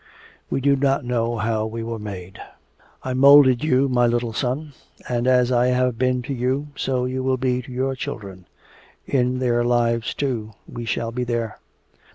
We do not know how we were made. "I moulded you, my little son. And as I have been to you, so you will be to your children. In their lives, too, we shall be there."